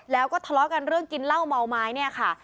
แล้วก็ทะเลาะกันเรื่องกินเหล้าเมาไม้เนี่ยค่ะ